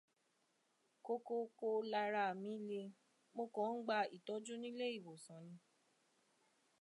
Kokoko lara mí le, Mo kàn ń gbà ìtọ́jú nílé ìwòsàn ni